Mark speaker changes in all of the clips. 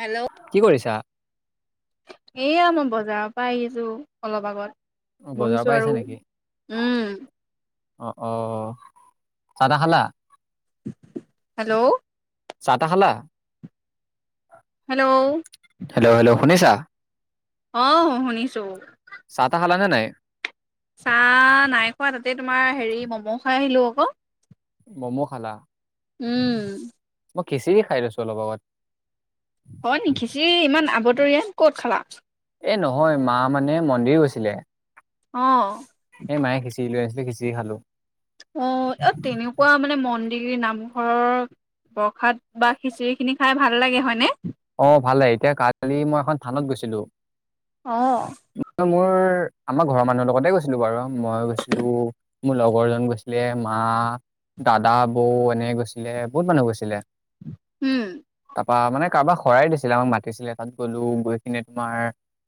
Speaker 1: Hello.
Speaker 2: কি কৰিছা?
Speaker 1: এয়া মই বজাৰৰ পৰা আহিছো, অলপ আগত।
Speaker 2: অ, বজাৰৰ পৰা
Speaker 1: বহিছো
Speaker 2: আহিছা
Speaker 1: আৰু, উম।
Speaker 2: অঁ', -অ', চাহ- তাহ খালা?
Speaker 1: হেল্ল'।
Speaker 2: চাহ-তাহ খালা?
Speaker 1: হেল্ল'।
Speaker 2: হেল্ল', -হেল্ল', শুনিছা?
Speaker 1: অ' শুনিছোঁ।
Speaker 2: চাহ তাহ খালানে নাই?
Speaker 1: চাহ নাই খোৱা তাতেই তোমাৰ হেৰি ম'ম' খাই আহিলোঁ আকৌ।
Speaker 2: ম'ম' খালা?
Speaker 1: উম।
Speaker 2: মই খিচিৰি খাই লৈছোঁ অলপ আগত।
Speaker 1: হয় নেকি, খিচিৰি ইমান আবতৰিয়া ক'ত খালা?
Speaker 2: এ, নহয় মা মানে মন্দিৰ গৈছিলে
Speaker 1: অ'।
Speaker 2: এই মায়ে খিচিৰি লৈ আহিছিলে, খিচিৰি খালোঁ।
Speaker 1: অ' এত তেনে কুৱা মানে মন্দিৰ, নামঘৰৰ প্ৰসাদ বা খিচিৰিখিনি খাই ভাল লাগে হয়নে?
Speaker 2: অ' ভালে, এতিয়া কালি মই এখন থানত গৈছিলোঁ।
Speaker 1: অ'।
Speaker 2: ম-মোৰ আমাৰ ঘৰৰ মানুহৰ লগতে গৈছিলোঁ বাৰু, মই গৈছিলোঁ মোৰ লগৰ জন গৈছিলে, মা, দাদা, বৌ এনে গৈছিলে, বহুত মানুহ গৈছিলে।
Speaker 1: উম
Speaker 2: তাৰপা মানে কাৰোবাক শৰাই দিছিলে, আমাক মাতিছিলে, তাত গ'লো গৈ কিনে তোমাৰ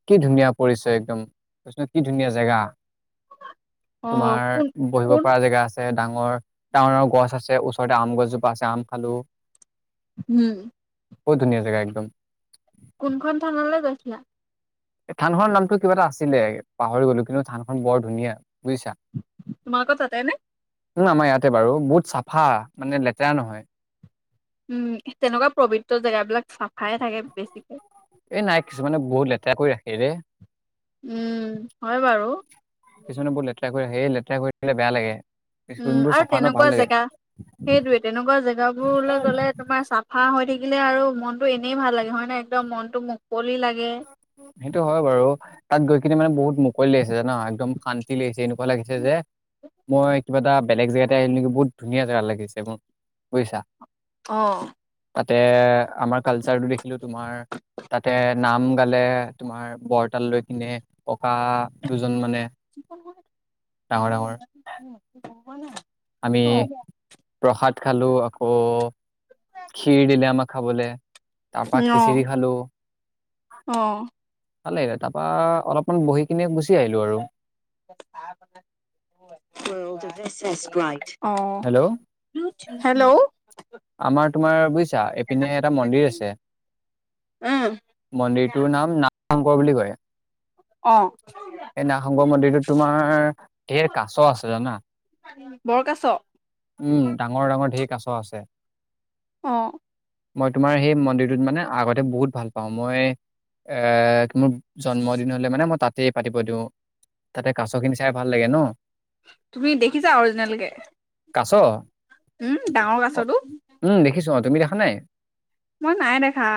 Speaker 2: কি ধুনীয়া পৰিচয় একদম। [unintelligible] কি ধুনীয়া জেগা,
Speaker 1: অ
Speaker 2: তোমাৰ
Speaker 1: কোন
Speaker 2: বহিব
Speaker 1: কোন
Speaker 2: পৰা জেগা আ ছে ডাঙৰ ডাঙৰ গছ আছে, ওচৰতে আম গছজোপা আছে, আম খালোঁ।
Speaker 1: হুম।
Speaker 2: বহুত ধুনীয়া জেগা একদম।
Speaker 1: কোনখন থানলৈ গৈছিলা?
Speaker 2: থানখনৰ নামটো কিবা এটা আছিলে পাহৰি গলোঁ কিন্তু থানখন বৰ ধুনীয়া বুজিছা।
Speaker 1: তোমাৰ তাতেনে?
Speaker 2: উম, আমাৰ ইয়াতে বাৰু, বহুত চাফা মানে লেতেৰা নহয়।
Speaker 1: উম, তেনেকুৱা পবিত্ৰ জেগাবিলাক চাফাই থাকে বেছিকে।
Speaker 2: এ, নাই কিছুানে বহুত লেতেৰা কৰি ৰাখে ৰে।
Speaker 1: উম, হয় বাৰু।
Speaker 2: কিছুমানে বহুত লেতেৰা কৰি ৰাখে, সেই লেতেৰা কৰি ৰাখিলে বৰ বেয়া লাগে।
Speaker 1: উম,
Speaker 2: যোনবোৰ
Speaker 1: আৰু
Speaker 2: চাফা ন ভাল
Speaker 1: তেনেকুৱা
Speaker 2: লাগে
Speaker 1: জেগা, সেইটোৱে তেনেকুৱা জেগাবোৰলে গ'লে তোমাৰ চা ফা হৈ থাকিলে আৰু মনটো এনেই ভাল লাগে হয়নে, একদম মনটো মুকলি লাগে।
Speaker 2: সেইটো হয় বাৰু। তাত গৈ কিনে মানে বহুত মুকলি লাগিছে জান, একদম শান্তি লাগিছে, এনেকুৱা লাগিছে যে মই কিবা এটা বেলেগ জেগাতে আহিলোঁ নেকি, বহুত ধুনীয়া জেগা লাগিছে মোৰ বুজিছা।
Speaker 1: অ'।
Speaker 2: তাতে আমাৰ কালচাৰটো দেখিলোঁ তোমাৰ, তাতে নাম গালে তোমাৰ বৰৰতাল লৈ কিনে। ককা দুজন মানে ডাঙৰ ডাঙৰ।
Speaker 1: গম পোৱা নাই?
Speaker 2: আমি প্ৰসাদ খালোঁ, আকৌ খীৰ দিলে আমাক খাবলে, তাৰপা খিচিৰি খালোঁ।
Speaker 1: অ'।
Speaker 2: ভালে, তাপা অলপমান বহি কিনে গুচি আহিলোঁ আৰু।
Speaker 1: [unintelligible]
Speaker 2: হেল্ল'
Speaker 1: হেল্ল'
Speaker 2: আমাৰ তোমাৰ বুজি আ' এইপিনে এটা মন্দিৰ আছে
Speaker 1: উম,
Speaker 2: মন্দিৰটোৰ নাম ন শংকৰ বুলি কয়!
Speaker 1: অ'
Speaker 2: এই নাগ শংকৰ মন্দিৰটোত তোমাৰ ধেৰ কাছ আছে জানা?
Speaker 1: বৰকাছ!
Speaker 2: উম ডাঙৰ ডাঙৰ ঢেৰ কাছ আছে!
Speaker 1: অ'
Speaker 2: মই তোমাৰ সেই মন্দিৰটোত মানে আগতে বহুত ভাল পাওঁ! মই এ' মোৰ জন্মদিন হলে মানে মই তাতেই পাতিব দিওঁ! তাতে কাছ খিনি চাই ভাল লাগে ন?
Speaker 1: তুমি দেখিছা অৰিজিনেল কে!
Speaker 2: কাছ?
Speaker 1: উম! ডাঙৰ
Speaker 2: অ
Speaker 1: কাছতো!
Speaker 2: উম! দেখিছোঁ? তুমি দেখা নাই?
Speaker 1: মই নাই দেখা!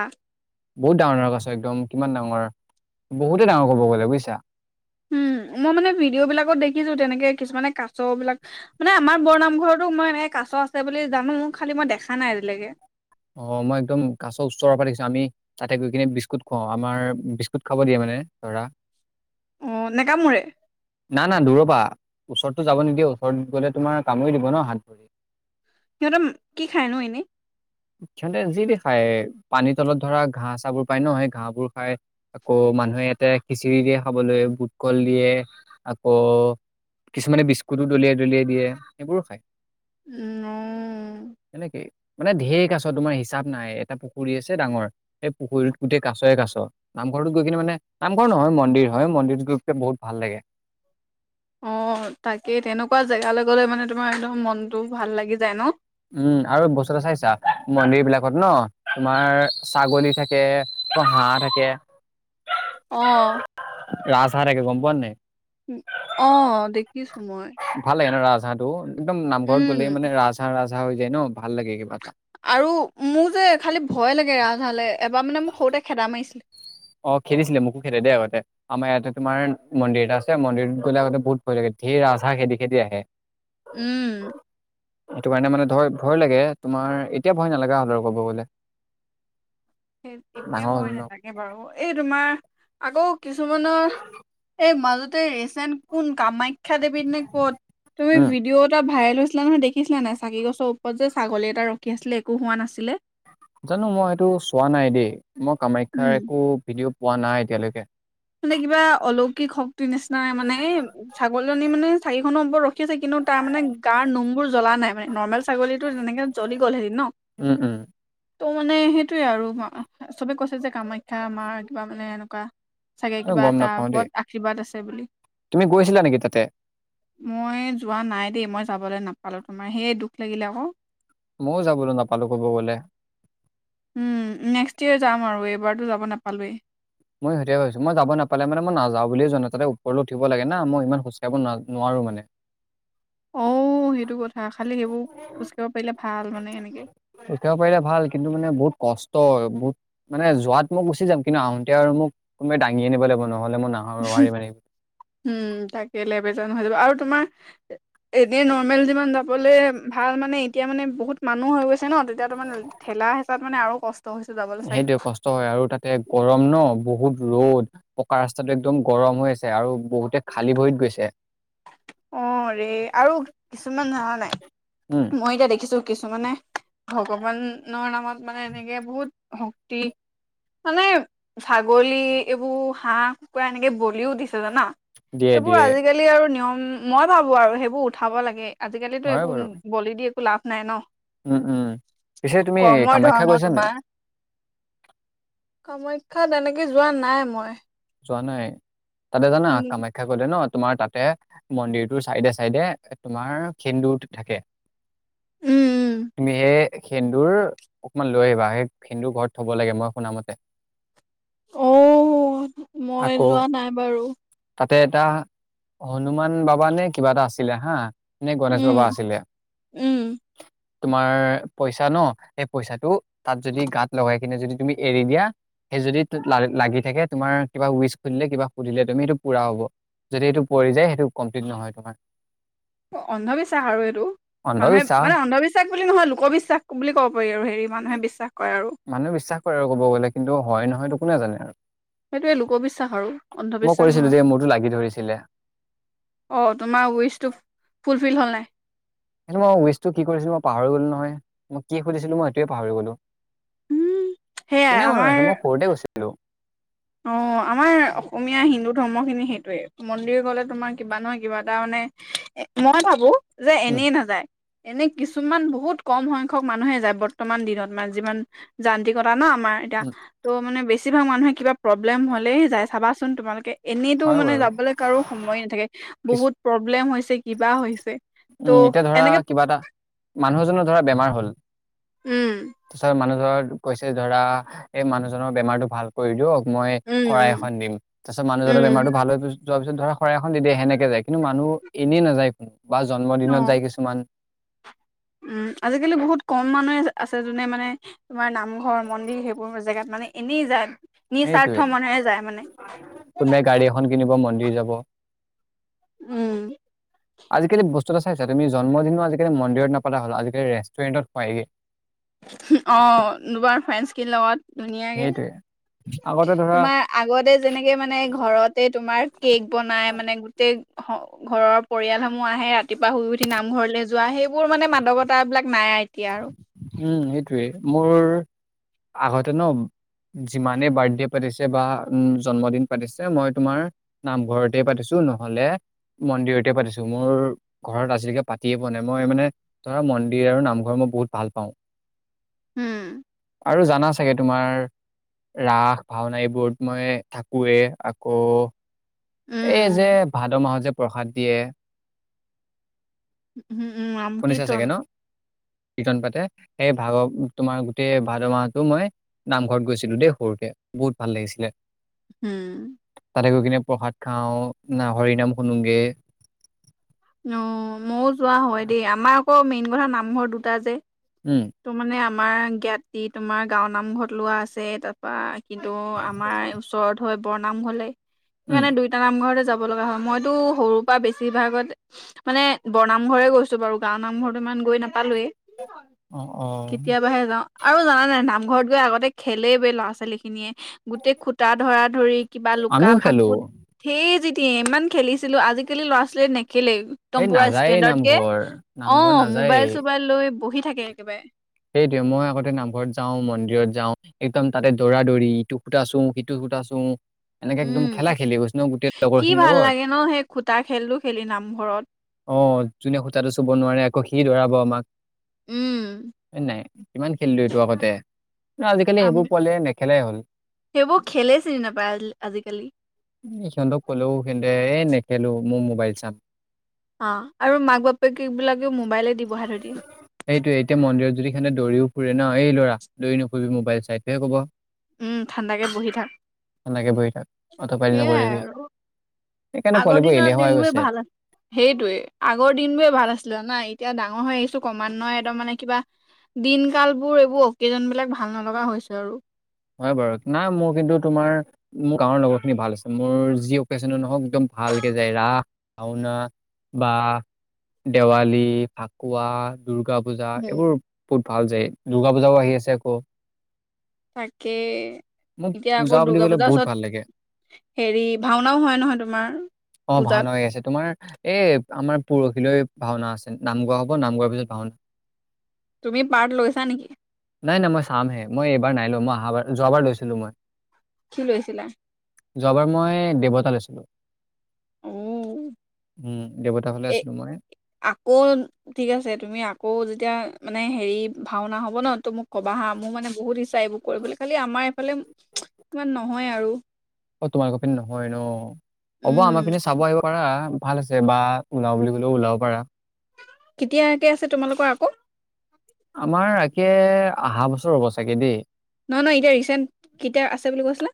Speaker 2: বহুত ডাঙৰ ডাঙৰ কাছ একদম! কিমান ডাঙৰ বহুতে ডাঙৰ ক'ব গ'লে বুজিছা?
Speaker 1: উম' মই মানে ভিডিঅ' বিলাকত দেখিছো তেনেকে কিছুমানে কাছ বিলাক মানে আমাৰ বৰনামঘৰতো মই এনেকে কাছ আছে বুলি জানো! খালি মই দেখা নাই আজিলৈকে?
Speaker 2: অ' মই একদম কাছৰ ওচৰৰ পৰা দেখিছো আমি তাতে গৈ কিনে বিস্কুট খোৱাও আমাৰ বিস্কুট খাব দিয়ে মানে ধৰা।
Speaker 1: অ' নেকামোৰে।
Speaker 2: না না দূৰৰ পৰা ওচৰতো যাব নিদিয়ে ওচৰত গ'লে তোমাৰ কামুৰি দিব ন হাতত।
Speaker 1: সিহঁতে কি খায়নো এনেই?
Speaker 2: সিহঁতে যিতি খায় পানীৰ তলত ধৰা ঘাঁহ - চা বোৰ পায় ন সেই ঘাঁহ বোৰ খাই। আকৌ মানুহে ইয়াতে খিচিৰি দিয়ে খাবলৈ বুট-কল দিয়ে আকৌ কিছুমানে বিস্কুটো দলিয়াই দলিয়াই দিয়ে সেইবোৰো খায়।
Speaker 1: অ'
Speaker 2: সেনেকে মানে ঢেৰ কাছ তোমাৰ হিচাপ নাই এটা পুখুৰী আছে ডাঙৰ। এই পুখুৰীত গোটেই কাছয়ে কাছ। নামঘৰটোত গৈ কিনে মানে নামঘৰ নহয় মন্দিৰ হয় মন্দিৰত গৈ পনে বহুত ভাল লাগে।
Speaker 1: অ' তাকেই তেনেকুৱা জেগালৈ গ'লে মানে তোমাৰ একদম মনতটো ভাল লাগি যায় ন।
Speaker 2: উম, আৰু বস্তু এটা চাইছা মন্দিৰ বিলাকত ন তোমাৰ ছাগলী থাকে। থাকে অ' হাঁহ থাকে।
Speaker 1: অ'
Speaker 2: ৰাজহাঁহ থাকে গম পোৱা নাই।
Speaker 1: অ' দেখিছো মই।
Speaker 2: ভাল লাগে ন ৰাজ হাঁহ টো একদম নামঘৰত
Speaker 1: উম
Speaker 2: গ'লে মানে ৰাজ হাঁহ ৰাজহাঁহ হৈ যায় ন ভাল লাগে কিবা এটা।
Speaker 1: আৰু মোৰ যে খালী ভয় লাগে ৰাজহাঁহ লৈ এবাৰ মানে মোক সৰুতে খেদা মাৰিছিলে।
Speaker 2: অ' খেদিছিলে মোকো খেদে দেই আগতে। আমাৰ ইয়াতে তোমাৰ মন্দিৰ এটা আছে মন্দিৰত গ'লে আগতে বহুত ভয় লাগে ধেৰ ৰাজ হাঁহ খেদি খেদি আহে। [inaudible]
Speaker 1: উম,
Speaker 2: সেইটো কাৰণে মানে ধৰ ভয় লাগে তোমাৰ এতিয়া ভয় নালাগা হ'লে আৰু ক'ব গ'লে। [inaudible]
Speaker 1: সেই
Speaker 2: ডাঙৰ
Speaker 1: এতিয়া
Speaker 2: হ'ল
Speaker 1: ভয়
Speaker 2: ন
Speaker 1: নালাগে বাৰু এই তোমাৰ আকৌ কিছুমানৰ এই মাজতে ৰিচেণ্ট কোন কামাখ্যা নে ক'ত তুমি
Speaker 2: উম
Speaker 1: ভিডিঅ' এটা ভাইৰেল হৈছিলে নহয় দেখিছিলা নাই চাকি - গছৰ ওপৰত যে ছাগলী এটা ৰখি আছিলে একো হোৱা নাছিলে।
Speaker 2: জানো মই সেইটো চোৱা নাই দেই মই কামাখ্যাৰ
Speaker 1: উম
Speaker 2: একো ভিডিঅ' পোৱা নাই এতিয়ালৈকে।
Speaker 1: মানে কিবা অলৌকিক শক্তিৰ নিচিনা মানে ছাগলীজনী মানে চাকি খনৰ ওপৰত আছে কিন্তু তাৰ মানে গাৰ নোমবোৰ জ্বলা নাই মানে নৰ্মেল ছাগলীতো তেনেকে জ্বলি গ'ল হৈ ন।
Speaker 2: উম, উম,
Speaker 1: ত মানে সেইটোৱে আৰু চ'বে কৈছে যে কামাখ্যা আমাৰ কিবা মানে এনেকুৱা চাগে কিবা
Speaker 2: গম
Speaker 1: এটা
Speaker 2: নাপাও দেই
Speaker 1: ওপৰত আশীৰ্বাদ আছে বুলি।
Speaker 2: তুমি গৈছিলা নেকি তাতে?
Speaker 1: মই যোৱা নাই দেই মই যাবলৈ নাপালোঁ তোমাৰ সেই দুখ লাগিলে আকৌ।
Speaker 2: ময়ো যাবলৈ নাপালো ক'ব গ'লে।
Speaker 1: উম, নেক্সট ইয়েৰ যাম আৰু এইবাৰতো যাব নাপালোৱেই।
Speaker 2: মই সেইটোৱে ভাবিছো মই যাব নাপালে মানে মই নাযাওঁ বুলি জানো তাতে ওপৰলে উঠিব লাগে ন মই ইমান খোজ কাঢ়িব নোৱাৰো মানে।
Speaker 1: অ' সেইটো কথা খালি সেইবোৰ খোজ কাঢ়িব পাৰিলে ভাল মানে এনেকে।
Speaker 2: খোজ কাঢ়িব পাৰিলে ভাল কিন্তু মানে বহুত কষ্ট বহুত মানে যোৱাত মই গুচি যাম কিন্তু আহোতে আৰু মোক কোনোবাই দাঙি আনিব লাগিব নহ'লে মই নাহো।
Speaker 1: উম, তাকে লেবেজান হৈ যাব আৰু তোমাৰ এনেই নৰ্মেল যিমান যাবলে ভাল মানে এতিয়া মানে বহুত মানুহ হৈ গৈছে। ন তেতিয়াতো মানে ঠেলা - হেচাত মানে আৰু কষ্ট হৈছো যাবলৈ চাগে।
Speaker 2: সেইটোৱে কষ্ট হয় আৰু তাতে গৰম ন বহুত ৰ'দ। পকা ৰাস্তাটো একদম গৰম হৈ আছে আৰু বহুতে খালী ভৰিত গৈছে।
Speaker 1: অ' ৰে আৰু কিছুমান জনা নাই
Speaker 2: উম,
Speaker 1: মই এতিয়া দেখিছো কিছুমানে ভগৱানৰ নামত মানে এনেকে বহুত ভক্তি মানে ছাগলী এইবোৰ হাঁহ কুকুৰা এনেকে বলিও দিছে জান
Speaker 2: দিয়ে
Speaker 1: এইবোৰ
Speaker 2: দিয়ে
Speaker 1: আজিকালি আৰু নিয়ম মই ভাবো আৰু সেইবোৰ উঠাব লাগে আজিকালি টো
Speaker 2: হয়
Speaker 1: একো
Speaker 2: বাৰু
Speaker 1: বলি দি একো লাভ নাই ন
Speaker 2: উম উম পিছে তুমি
Speaker 1: কৰ্মই
Speaker 2: কামাখ্যা
Speaker 1: ধৰ্ম
Speaker 2: গৈছা নাই
Speaker 1: তোমাৰ কামাখ্যাত এনেকে যোৱা নাই মই
Speaker 2: যোৱা নাই তাতে জানা
Speaker 1: উম
Speaker 2: কামাখ্যা গ'লে ন তোমাৰ তাতে মন্দিৰটোৰ চাইডে চাইডে তোমাৰ সেন্দুৰ থাকে
Speaker 1: উম
Speaker 2: তুমি হে সেন্দুৰ অকমান লৈ আহিবা সেই সেন্দুৰ ঘৰত থব লাগে মই শুনা মতে
Speaker 1: অঁ মই
Speaker 2: আকৌ
Speaker 1: যোৱা নাই বাৰু
Speaker 2: তাতে এটা হনুমান বাবা নে কিবা এটা আছিলে হা নে গণেশ
Speaker 1: উম
Speaker 2: বাবা আছিলে
Speaker 1: উম
Speaker 2: তোমাৰ পইচা ন সেই পইচাটো তাত যদি গাত লগাই কিনে যদি তুমি এৰি দিয়া সেই যদি লা লাগি থাকে তোমাৰ কিবা উৱিছ সুধিলে কিবা সুধিলে তুমি এইটো পুৰা হ'ব যদি এইটো পৰি যায় সেইটো কমপ্লিট নহয় তোমাৰ [inaudible]
Speaker 1: অন্ধবিশ্বাস আৰু এইটো মানুহে
Speaker 2: অন্ধবিশ্বাস
Speaker 1: মানে অন্ধবিশ্বাস বুলি নহয় লোকবিশ্বাস বুলি ক'ব পাৰি আৰু হেৰি মানুহে বিশ্বাস কৰে আৰু
Speaker 2: মানুহে বিশ্বাস কৰে আৰু কব গ'লে কিন্তু হয় নহয় কোনে জানে আৰু
Speaker 1: সেইটোৱে আৰু লোকবিশ্বাস আৰু
Speaker 2: মই
Speaker 1: অন্ধবিশ্বাস
Speaker 2: কৰিছিলোঁ যে
Speaker 1: নহয়।
Speaker 2: মোৰতো লাগি ধৰিছিলে
Speaker 1: অ তোমাৰ ৱেইছটো ফুলফিল হ'ল নাই
Speaker 2: কিন্তু মই ৱেচটো কি কৰিছিলো মই পাহৰি গলো নহয় মই কি সুছিলো মই এইটোয়ে পাহৰি গলো
Speaker 1: উম সেয়াই
Speaker 2: কোনে মনত
Speaker 1: আমাৰ
Speaker 2: ৰাখে মই সৰুতে গৈছিলো
Speaker 1: অ আমাৰ অসমীয়া হিন্দু ধৰ্ম খিনি সেইটোৱে মন্দিৰ গ'লে তোমাৰ কিবা নহয় কিবা এটা মানে মই ভাবো যে
Speaker 2: উম,
Speaker 1: এনে‌ই নাযায় এনে কিছুমান বহুত কম সংখ্যক মানুহে যায় বৰ্তমান দিনত মানে যিমান যান্ত্ৰিকতা ন আমাৰ এতিয়া
Speaker 2: উম,
Speaker 1: ত' মানে বেছি ভাগ মানুহে কিবা প্ৰব্লেম হলেই যায় চাবাচোন তোমালোকে এনেইটো
Speaker 2: হয়
Speaker 1: মানে
Speaker 2: বাৰু।
Speaker 1: যাবলৈ কাৰো সময় নাথাকে
Speaker 2: কিছ
Speaker 1: বহুত প্ৰব্লেম হৈছে কিবা হৈছে ত'
Speaker 2: উম এতিয়া ধৰা
Speaker 1: এনেকে
Speaker 2: কিবা এটা মানুহজনৰ ধৰা বেমাৰ হ'ল
Speaker 1: উম
Speaker 2: ওচৰ মানুহ ঘৰত গৈছে যে ধৰা এই মানুহজনৰ বেমাৰটো ভাল কৰি দিয়ক মই
Speaker 1: উম
Speaker 2: শৰাই এখন দিম তাৰ পিছত মানুহজনৰ
Speaker 1: উম
Speaker 2: বেমাৰতটো ভাল হৈ গৈছে যোৱাৰ পিছত ধৰা শৰাই এখন দি দিয়ে সেনেকে যায় কিন্তু মানুহ এনেই নাযায় কোনো বা
Speaker 1: উম
Speaker 2: জন্মদিনত
Speaker 1: অ
Speaker 2: যায় কিছুমান
Speaker 1: উম আজিকালি বহুত কম মানুহে আছে যোনে মানে তোমাৰ নামঘৰ মন্দিৰ সেইবোৰ জেগাত মানে এনেই যায়
Speaker 2: সেইটোৱে
Speaker 1: নিস্বাৰ্থ মনৰেহে যায় মানে
Speaker 2: ধন কিনিব মন্দিৰ যাব
Speaker 1: উম
Speaker 2: আজিকালি বস্তু এটা চাইছা তুমি জন্মদিনও আজিকালি মন্দিৰত নাপাতা হল আজিকালি ৰেষ্টুৰেণ্টত খোৱাইগে
Speaker 1: অ তোমাৰ ফ্ৰেন্স খিনি লগত ধুনীয়াকে
Speaker 2: সেইটোৱে আগতে ধৰা
Speaker 1: তোমাৰ আগতে যেনেকে মানে ঘৰতে তোমাৰ কেক্ বনাই মানে গোটেই ঘ ঘৰৰ পৰিয়ালসমূহ আহে ৰাতিপুৱা শুই উঠি নামঘৰলে যোৱা সেইবোৰ মানে মানৱতা বিলাক নাই এতিয়া আৰু
Speaker 2: উম এইটোৱে মোৰ আগতে ন যিমানে বাৰ্থডে পাতিছে বা উ জন্মদিন পাতিছে মই তোমাৰ নামঘৰতে পাতিছো নহ'লে মন্দিৰতে পাতিছো মোৰ ঘৰত আজিলৈকে পাতিয়ে পোৱা নাই মই মানে ধৰা মন্দিৰ আৰু নামঘৰ ঘৰ মই বহুত ভাল পাওঁ
Speaker 1: উম,
Speaker 2: আৰু জানা এই তোমাৰ ৰাস ভাওনা এইবোৰত মই থাকোৱে আকৌ
Speaker 1: উম,
Speaker 2: এই যে
Speaker 1: উম।
Speaker 2: ভাদ মাহত যে প্ৰসাদ দিয়ে
Speaker 1: উম, উম, নাম
Speaker 2: শুনিছা
Speaker 1: কীৰ্তন,
Speaker 2: চাগে ন কীৰ্তন পাতে সেই ভাগৱ তোমাৰ গোটেই ভাদ মাহটো মই নামঘৰত গৈছিলো দেই সৰুতে বহুত ভাল লাগিছিলে
Speaker 1: উম
Speaker 2: তাতে গৈ কিনে প্ৰসাদ খাও না হৰি নাম শুনোগে
Speaker 1: অ মইও যোৱা হয় দেই আমাৰ আকৌ মেইন কথা নামঘৰ দুটা যে
Speaker 2: উম
Speaker 1: ত মানে আমাৰ জ্ঞাতি তোমাৰ গাঁও নামঘৰত লোৱা আছে তাৰপৰা কিন্তু আমাৰ ওচৰত হয় বৰনামঘৰলে
Speaker 2: উম।
Speaker 1: সেইকাৰণে দুইটা নামঘৰতে যাব লগা হয় মইতো সৰুৰ পৰা বেছিভাগত মানে বৰনামঘৰে গৈছো বাৰু গাওৰ নামঘৰত ইমান গৈ নাপালোৱেই
Speaker 2: অ', অ',
Speaker 1: কেতিয়াবাহে যাওঁ আৰু জানা নাই নামঘৰত গৈ আগতে খেলে বে ল'ৰা ছোৱালী খিনিয়ে গোটেই খুটা ধৰা ধৰি কিবা লুকা
Speaker 2: আমিও খেলো
Speaker 1: ভাকুত ধেই যিতি ইমান খেলিছিলো আজিকালি ল'ৰা ছোৱালীয়ে নেখেলেই
Speaker 2: এই
Speaker 1: একদম পুৰা
Speaker 2: নাযায়েই
Speaker 1: ষ্টেণ্ডাৰ্ড কে
Speaker 2: নামঘৰ
Speaker 1: অ
Speaker 2: নামঘৰ নাযায়েই।
Speaker 1: মোবাইল চোবাইল লৈ বহি থাকে একেবাৰে
Speaker 2: সেইটোৱে মইও আগতে নামঘৰত যাওঁ, মন্দিৰত যাওঁ একদম তাতে দৌৰা দৌৰি, ইটো খূটা চো, সিটো খূটা চো এনেকে একদম
Speaker 1: উম,
Speaker 2: খেলা খেলি কৈছো নহয় গোটেই
Speaker 1: কি
Speaker 2: লগৰখিনিৰ
Speaker 1: ভাল
Speaker 2: লগত।
Speaker 1: লাগে ন সেই খুটা খেলটো খেলি নামঘৰত।
Speaker 2: অ যোনে খূটাটো চুব নোৱাৰে আকৌ সি দৌৰাব আমাক।
Speaker 1: উম।
Speaker 2: হয় নাই? কিমান খেলিলো এইটো আগতে। অ আজিকালি
Speaker 1: আমি
Speaker 2: সেইবোৰ পোৱালিৱে নেখেলাই হ'ল।
Speaker 1: সেইবোৰ খেলে চিনি নাপায় আজি- আজিকালি।
Speaker 2: ওম সিহঁতক ক'লেও সিহঁতে এ নেখেলো মোৰ মোবাইল চাম।
Speaker 1: অ আৰু মাক বাপেক এইবিলাকেও মোবাইলে দি বহাই থৈ দিয়ে।
Speaker 2: সেইটোৱে এতিয়া মন্দিৰত যদি সিহঁতে দৌৰিও ফুৰে ন, এই ল'ৰা দৌৰি নুফুৰিবি মোবাইল চা এইটোহে কব।
Speaker 1: উম, ঠাণ্ডাকে বহি থাক।
Speaker 2: সেনেকে বহি থাক, অতপালি
Speaker 1: সেইয়াই
Speaker 2: নকৰিবি।
Speaker 1: আৰু
Speaker 2: সেইকাৰণে
Speaker 1: আগৰ
Speaker 2: পোৱালিবোৰ
Speaker 1: দিনত
Speaker 2: এলেহুৱা হৈ
Speaker 1: দিনেবোৰ
Speaker 2: গৈছে
Speaker 1: ভাল আ সেইটোৱে আগৰ দিনবোৰে ভাল আছিলে জানা এতিয়া ডাঙৰ হৈ আহিছো ক্ৰমান্বয়ে একদম মানে কিবা দিন কালবোৰ এইবোৰ অকেজনবিলাক ভাল নলগা হৈছে আৰু।
Speaker 2: হয় বাৰু নাই মোৰ কিন্তু তোমাৰ মোৰ গাঁৱৰ লগৰখিনি ভাল আছে, মোৰ যি অকেজনক নহওক একদম ভালকে যায় ৰাস, ভাওনা বা দেৱালী, ফাকুৱা দুৰ্গা পূজা
Speaker 1: উম,
Speaker 2: এইবোৰ বহুত ভাল যায়, দুৰ্গা পূজাও আহি আছে আকৌ।
Speaker 1: তাকে
Speaker 2: মোক
Speaker 1: এতিয়া
Speaker 2: পূজা
Speaker 1: আকৌ
Speaker 2: বুলি
Speaker 1: দুৰ্গা
Speaker 2: ক'লে
Speaker 1: পূজাৰ
Speaker 2: বহুত
Speaker 1: ওচৰত
Speaker 2: ভাল লাগে
Speaker 1: হেৰি ভাওনাও হয় নহয় তোমাৰ?
Speaker 2: অ
Speaker 1: পূজাত
Speaker 2: ভাওনা হৈ আছে তোমাৰ এ আমাৰ পৰহিলৈ ভাওনা আছে, নাম গোৱা হব নাম গোৱাৰ পিছত ভাওন
Speaker 1: তুমি পাৰ্ট লৈছা নেকি?
Speaker 2: নাই নাই মই চামহে, মই এইবাৰ নাই লোৱা, মই আহা বাৰ যোৱাবাৰ লৈছিলো মই।
Speaker 1: কি লৈছিলা?
Speaker 2: যোৱাবাৰ মই দেৱতা লৈছিলোঁ।
Speaker 1: অ
Speaker 2: উম, দেৱতাৰ ফালে আছিলো মই।
Speaker 1: কোন? ঠিক আছে, তুমি আকৌ যেতিয়া মানে হেৰি ভাওনা হ'ব ন, ত মোক কবা হা মোৰ মানে বহুত ইচ্ছা এইবোৰ কৰিবলৈ, খালি আমাৰ এইফালে ইমান নহয় আৰু।
Speaker 2: অ তোমালোকৰ পিনে নহয় ন, হ'ব
Speaker 1: উম
Speaker 2: আমাৰ পিনে চাব আহিব পাৰা ভাল আছে বা ওলাও বুলি ক'লেও ওলাব পাৰা।
Speaker 1: কেতিয়াকে আছে তোমালোকৰ আকৌ?
Speaker 2: আমাৰ একে আহা বছৰ হ'ব চাগে দেই।
Speaker 1: নহয় নহয় এতিয়া ৰিচেন্ট কেতিয়া আছে বুলি কৈছিলা?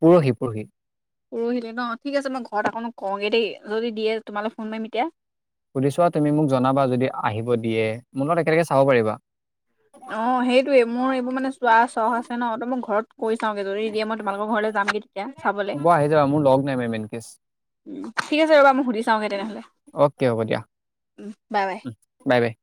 Speaker 2: পৰহি, পৰহি।
Speaker 1: পৰহিলৈ ন, ঠিক আছে মই ঘৰত আকৌ কওঁগে দেই যদি দিয়ে তোমালৈ ফোন পাৰিম এতিয়া।
Speaker 2: সুধি চোৱা তুমি মোক জনাবা যদি আহিব দিয়ে, মোৰ লগত একেলগে চাব পাৰিবা।
Speaker 1: অ সেইটোয়ে, মোৰ এইবোৰ মানে চোৱা চহ আছে ন, তই মই ঘৰত কৈ চাওগে যদি দিয়ে ম তোমালোকৰ ঘৰলে যামগে তেতিয়া চাবলে।
Speaker 2: ব আহি যাবা মোৰ লগ নাই মে মেনকেছ।
Speaker 1: উম ঠিক আছে ৰবা মই সুধি চাওঁগে তেনেহলে?
Speaker 2: অ'কে হ'ব দিয়া।
Speaker 1: উম, বাই বাই।
Speaker 2: Bye bye.